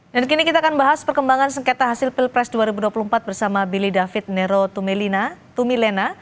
dan kini kita akan bahas perkembangan sengketa hasil pilpres dua ribu dua puluh empat bersama billy david nero tumelina